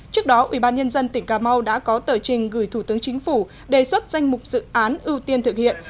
trước đó ubnd tỉnh cà mau đã có tờ trình gửi thủ tướng chính phủ đề xuất danh mục dự án ưu tiên thực hiện